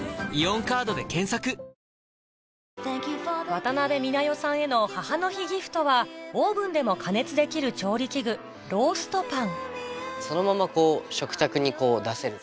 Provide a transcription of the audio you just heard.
渡辺美奈代さんへの母の日ギフトはオーブンでも加熱できる調理器具ローストパンそのまま食卓に出せると。